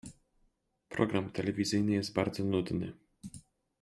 program telewizyjny jest bardzo nudny